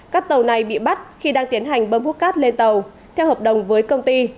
các tàu này bị bắt khi đang tiến hành bơm hút cát lên tàu theo hợp đồng với công ty